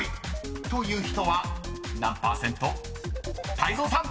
［泰造さん］